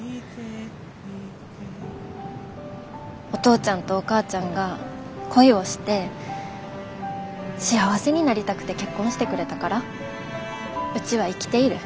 お父ちゃんとお母ちゃんが恋をして幸せになりたくて結婚してくれたからうちは生きている。